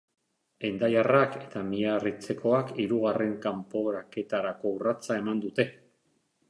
Hendaiarrak eta miarritzekoak hirugarren kanporaketarako urratsa eman dute.